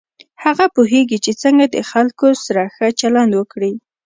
هغه پوهېږي چې څنګه د خلکو سره چلند وکړي.